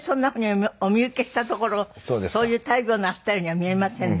お見受けしたところそういう大病なすったようには見えませんね。